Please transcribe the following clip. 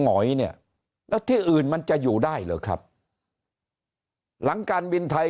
หอยเนี่ยแล้วที่อื่นมันจะอยู่ได้เหรอครับหลังการบินไทย